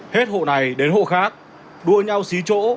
hết hộ này đến hộ khác đua nhau xí chỗ